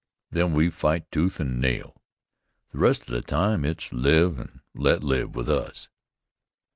Then we fight tooth and nail The rest of the time it's live and let live with us.